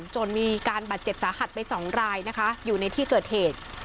จนมีการบาดเจ็บสาหัสไป๒รายนะคะอยู่ในที่เกิดเหตุ